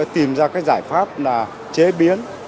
tìm ra cái giải pháp là chế biến